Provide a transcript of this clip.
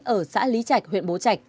ở xã lý trạch huyện bố trạch